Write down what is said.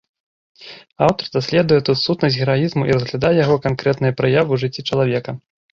Аўтар даследуе тут сутнасць гераізму і разглядае яго канкрэтныя праявы ў жыцці чалавека.